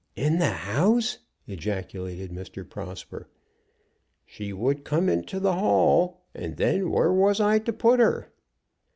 "In the house!" ejaculated Mr. Prosper. "She would come into the hall; and then where was I to put her?"